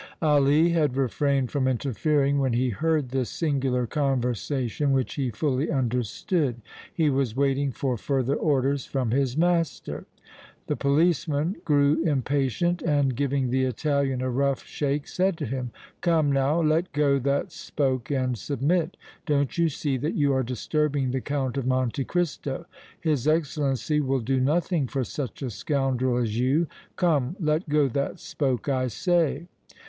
Ali had refrained from interfering when he heard this singular conversation, which he fully understood. He was waiting for further orders from his master. The policeman grew impatient and, giving the Italian a rough shake, said to him: "Come now, let go that spoke and submit. Don't you see that you are disturbing the Count of Monte Cristo? His Excellency will do nothing for such a scoundrel as you. Come, let go that spoke, I say!"